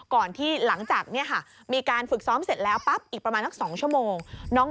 ก่อนที่หลังจากมีการฝึกซ้อมเสร็จแล้วปั๊บอีกประมาณสัก๒ชั่วโมง